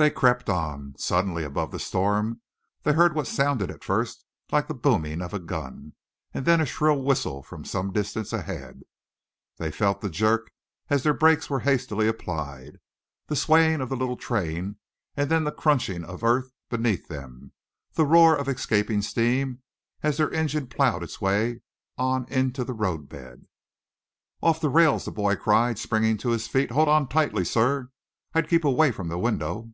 They crept on. Suddenly, above the storm, they heard what sounded at first like the booming of a gun, and then a shrill whistle from some distance ahead. They felt the jerk as their brakes were hastily applied, the swaying of the little train, and then the crunching of earth beneath them, the roar of escaping steam as their engine ploughed its way on into the road bed. "Off the rails!" the boy cried, springing to his feet. "Hold on tightly, sir. I'd keep away from the window."